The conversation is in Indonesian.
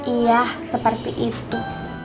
iya seperti itu